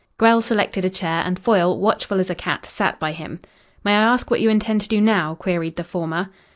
Grell selected a chair and Foyle, watchful as a cat, sat by him. "May I ask what you intend to do now?" queried the former.